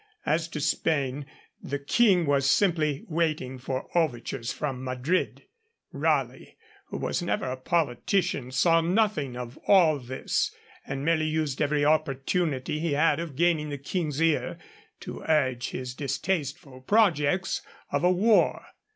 As to Spain, the King was simply waiting for overtures from Madrid. Raleigh, who was never a politician, saw nothing of all this, and merely used every opportunity he had of gaining the King's ear to urge his distasteful projects of a war.